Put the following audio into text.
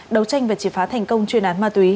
đấu tranh và triệt phá thành công chuyên án ma túy